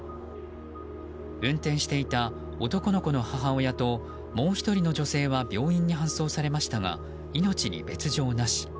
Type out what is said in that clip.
運転していた男の子の母親ともう１人の女性は病院に搬送されましたが命に別条なし。